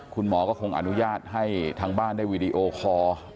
คุณหมอก็คงอนุญาตให้ทางบ้านได้วีดีโอคอร์